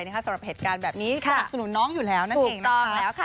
สำหรับเหตุการณ์แบบนี้ค่ะสนุนน้องอยู่แล้วนั่นเองนะคะถูกต้องแล้วค่ะ